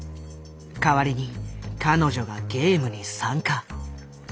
代わりに彼女がゲームに参加。